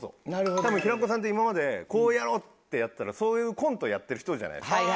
多分平子さんって今までこうやろうってやったらそういうコントをやってる人じゃないですか。